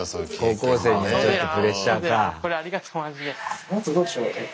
高校生にはちょっとプレッシャーか。